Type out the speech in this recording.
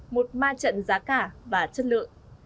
một ma trận giá cả và chất lượng